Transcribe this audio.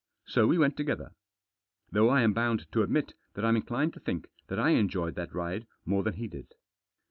So we went together. Though I am bound to admit that I'm inclined to think that I enjoyed that ride more than he did.